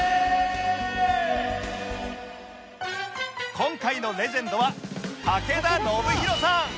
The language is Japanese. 今回のレジェンドは武田修宏さん